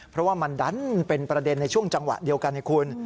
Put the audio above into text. เพราะว่ามันดันเป็นประเด็นในช่วงจังหวะเดียวกันให้คุณ